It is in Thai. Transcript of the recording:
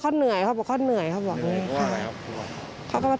ขี่มอเตอร์ไซค์มาจากร้อยเอ็ด